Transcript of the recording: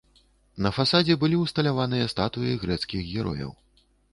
На фасадзе былі ўсталяваныя статуі грэцкіх герояў.